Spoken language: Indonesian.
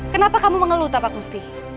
kenapa kamu mengeluh tapa gusti